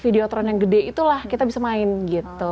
video turun yang gede itulah kita bisa main gitu